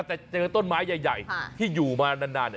แต่เจอต้นไม้ใหญ่ที่อยู่มานาน